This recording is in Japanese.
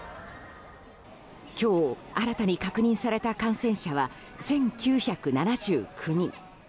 今日、新たに確認された感染者は１９７９人。